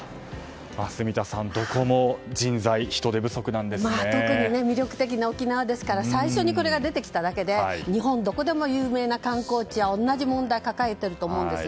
住田さん、どこも人材特に魅力的な沖縄ですから最初にこれが出てきただけで日本どこでも有名な観光地は同じ問題を抱えていると思うんです。